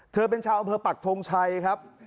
เธอเป็นชาวอำเภอปักทงชัยครับ